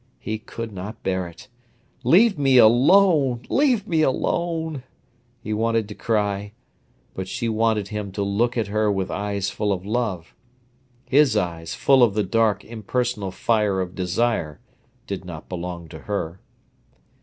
He could not bear it. "Leave me alone—leave me alone!" he wanted to cry; but she wanted him to look at her with eyes full of love. His eyes, full of the dark, impersonal fire of desire, did not belong to her.